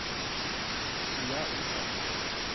iya usa